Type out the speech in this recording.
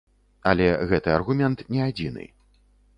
Але гэты аргумент не адзіны.